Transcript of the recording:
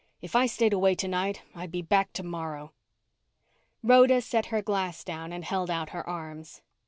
If I stayed away tonight, I'd be back tomorrow." Rhoda set her glass down and held out her arms.